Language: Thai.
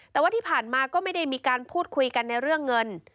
แต่ว่าที่ผ่านมาก็ไม่ได้มีการพูดคุยกันในเรื่องเงิน